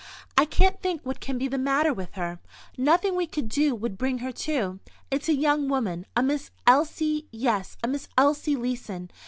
"I can't think what can be the matter with her. Nothing we could do would bring her to. It's a young woman, a Miss Elsie—yes, a Miss Elsie Leeson.